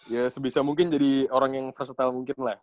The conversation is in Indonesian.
ya sebisa mungkin jadi orang yang versitile mungkin lah